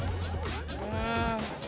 うん。